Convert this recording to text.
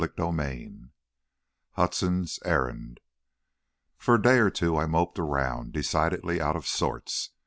CHAPTER VII Hudson's Errand For a day or two I moped around, decidedly out of sorts.